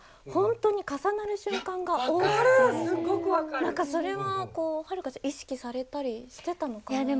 何かそれは遥ちゃん意識されたりしてたのかなと。